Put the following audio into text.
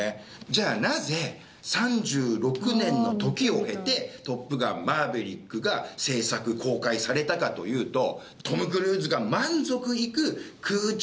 じゃあ、なぜ３６年の時を経て「トップガンマーヴェリック」が制作、公開されたかというと。